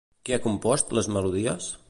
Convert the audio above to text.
Qui ha compost les melodies?